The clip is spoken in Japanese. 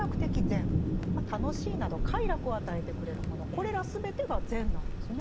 これら全てが善なんですね。